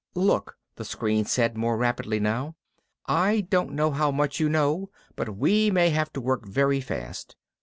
"Look," the screen said, more rapidly now, "I don't know how much you know, but we may have to work very fast.